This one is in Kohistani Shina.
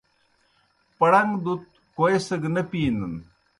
پڑݩگ دُت کوئیسگہ نہ پِینَن۔